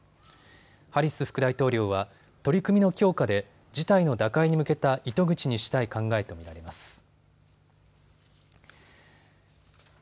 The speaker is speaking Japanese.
ハリス副大統領は取り組みの強化で事態の打開に向けた糸口にしたい考えと見られます。